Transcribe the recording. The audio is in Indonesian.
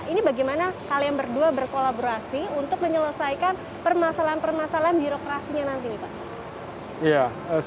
ini bagaimana kalian berdua berkolaborasi untuk menyelesaikan permasalahan permasalahan birokrasinya nanti nih pak